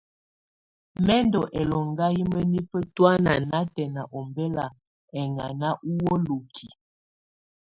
Mɛ̀ ndù ɛlɔŋga yɛ mǝnifǝ tɔ̀ána natɛna u ɔmbɛla ɛŋana ù wolokiǝ.